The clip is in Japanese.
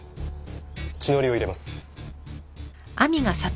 「血のりを入れます」